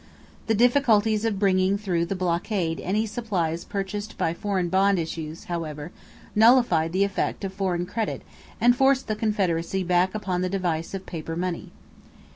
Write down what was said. The difficulties of bringing through the blockade any supplies purchased by foreign bond issues, however, nullified the effect of foreign credit and forced the Confederacy back upon the device of paper money.